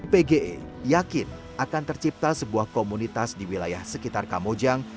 pge yakin akan tercipta sebuah komunitas di wilayah sekitar kamojang